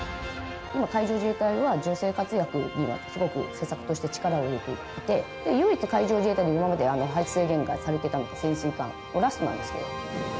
今、海上自衛隊は女性活躍にはすごく施策として力を入れていて、唯一海上自衛隊で今まで配置制限がされていたのが潜水艦、ラストなんですよ。